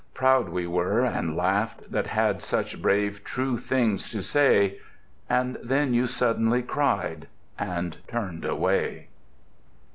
... Proud we were And laughed, that had such brave true things to say. —And then you suddenly cried, and turned away.